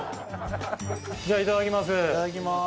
じゃあいただきます。